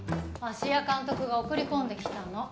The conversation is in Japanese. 芦屋監督が送り込んできたの。